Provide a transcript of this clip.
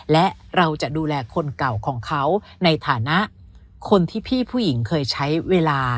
และเราจะดูแลคนเก่าของเขาในฐานะคนที่พี่ผู้หญิงเคยใช้เวลา